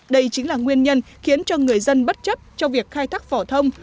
đây chính là nguyên nhân khiến cho người dân bất chấp cho việc khai thác vỏ thông